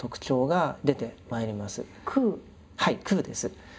はい空です。